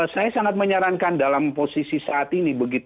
saya sangat menyarankan dalam posisi saat ini